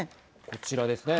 こちらですね。